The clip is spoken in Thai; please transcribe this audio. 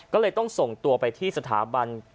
ก็เลยต้องส่งตัวไปที่สถาบัน